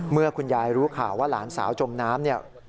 เมื่อคุณยายรู้ข่าวว่าหลานสาวจมน้ำเนี่ย